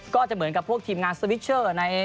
ก็จะเหมือนกับพวกทีมงานสวิชเชอร์